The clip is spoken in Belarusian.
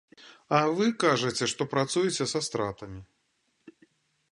А вы кажаце, што працуеце са стратамі.